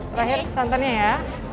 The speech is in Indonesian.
terakhir santannya ya